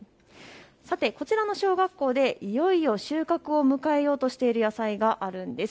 さてこちらの小学校でいよいよ収穫を迎えようとしている野菜があるんです。